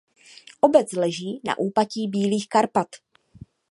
Obec leží na úpatí Bílých Karpat.